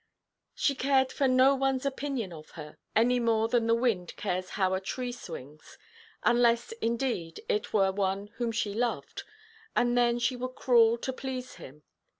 She cared for no oneʼs opinion of her, any more than the wind cares how a tree swings; unless indeed it were one whom she loved, and then she would crawl to please him.